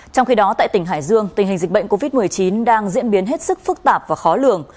trong khi đó tại tỉnh hải dương tình hình dịch bệnh covid một mươi chín đang diễn biến hết sức phức tạp và khó lường